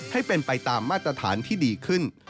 ให้เป็นไปตามมาตรฐานที่ดีขึ้น